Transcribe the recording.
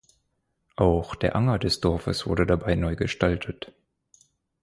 Auch der Anger des Dorfes wurde dabei neu gestaltet.